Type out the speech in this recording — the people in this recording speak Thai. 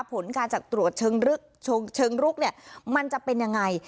ผลการจากตรวจเชิงลุกเนี่ยมันจะเป็นยังไง